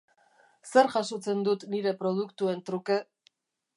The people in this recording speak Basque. Zer jasotzen dut nire produktuen truke?